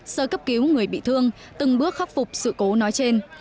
sơ cấp cứu người bị thương từng bước khắc phục sự cố nói trên